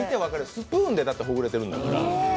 スプーンでほぐれてるんだから。